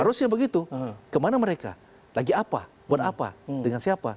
harusnya begitu kemana mereka lagi apa buat apa dengan siapa